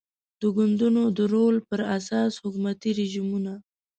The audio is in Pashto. د ګوندونو د رول پر اساس حکومتي رژیمونه